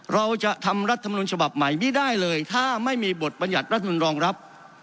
เราจะทำรัฐมนุนฉบับใหม่ไม่ได้เลยถ้าไม่มีบทบัญญัติรัฐมนุนรองรับ